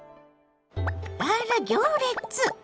あら行列！